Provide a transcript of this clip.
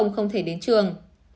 không thể đến trường